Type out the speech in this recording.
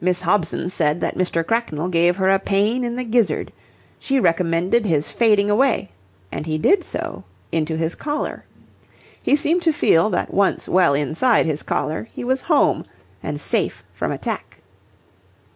Miss Hobson said that Mr. Cracknell gave her a pain in the gizzard. She recommended his fading away, and he did so into his collar. He seemed to feel that once well inside his collar he was "home" and safe from attack.